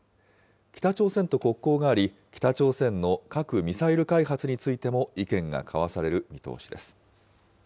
北朝鮮と国交があり、北朝鮮の核・ミサイル開発についても意見が交わされる見通しです。